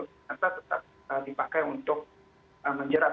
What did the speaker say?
ternyata tetap dipakai untuk menjerat